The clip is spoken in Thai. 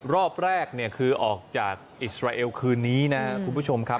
รอบแรกเนี่ยคือออกจากอิสราเอลคืนนี้นะครับคุณผู้ชมครับ